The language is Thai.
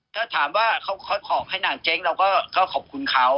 ถ้าถามว่าเขาออกให้หนักเจ๊งเราก็ขอบคุณเขา